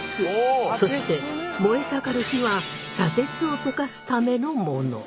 そして燃え盛る火は砂鉄を溶かすためのもの。